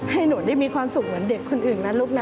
ให้หนูได้มีความสุขเหมือนเด็กคนอื่นนะลูกนะ